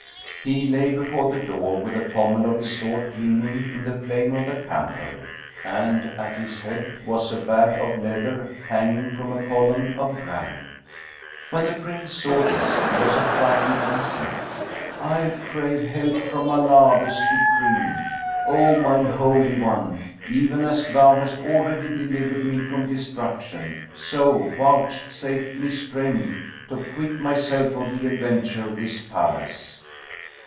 He lay before the door, with the pommel of his sword gleaming in the flame of the candle, and at his head was a bag of leather[FN#11] hanging from a column of granite. When the Prince saw this, he was affrighted and said, "I crave help from Allah the Supreme! O mine Holy One, even as Thou hast already delivered me from destruction, so vouchsafe me strength to quit myself of the adventure of this palace!"